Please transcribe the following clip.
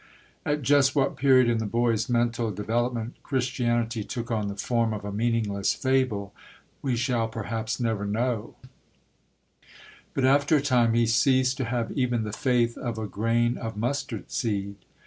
At just what period in the boy's mental development Christianity took on the form of a meaningless fable, we shall perhaps never know; but after a time he ceased to have even the faith of a grain of mustard seed.